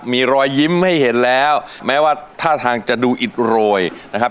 มีรอยยิ้มให้เห็นแล้วแม้ว่าท่าทางจะดูอิดโรยนะครับ